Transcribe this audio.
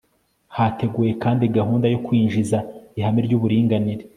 hateguwe kandi gahunda yo kwinjiza ihame ry'uburinganire